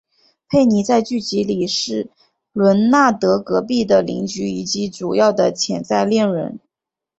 佩妮在剧集里是伦纳德隔壁的邻居以及主要的潜在恋人。